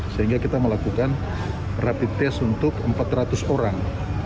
sehingga kita melakukan rapid test untuk empat ratus orang